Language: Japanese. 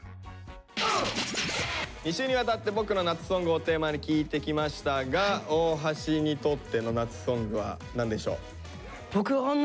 ２週にわたって「ボクの夏ソング」をテーマに聞いてきましたが大橋にとっての夏ソングは何でしょう？